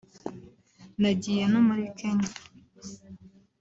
nagiye no muri Kenya